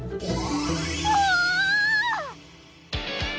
うわ！